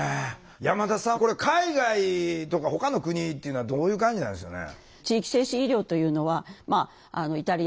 山田さんこれ海外とかほかの国っていうのはどういう感じなんでしょうね？